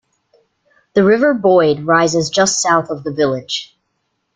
The River Boyd rises just south of the village.